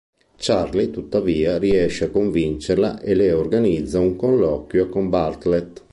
Charlie tuttavia riesce a convincerla e le organizza un colloquio con Bartlet.